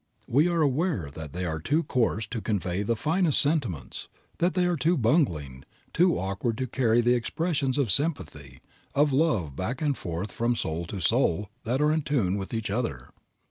We are aware that they are too coarse to convey the finest sentiments, that they are too bungling, too awkward to carry the expressions of sympathy, of love back and forth from soul to soul that are in tune with each other.